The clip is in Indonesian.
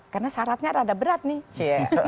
karena syaratnya rada berat nih